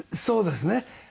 そうですね。